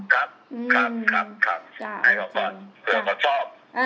ครับอืมครับครับครับให้เขาบอกเผื่อเขาชอบอ่า